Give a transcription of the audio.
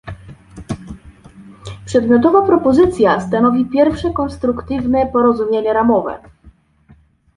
Przedmiotowa propozycja stanowi pierwsze konstruktywne porozumienie ramowe